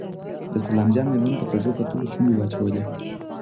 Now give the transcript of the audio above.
د سلام جان مېرمن په کږو کتلو شونډې واچولې.